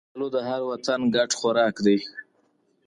کچالو د هر وطن ګډ خوراک دی